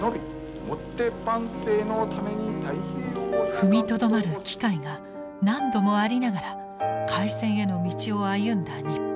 踏みとどまる機会が何度もありながら開戦への道を歩んだ日本。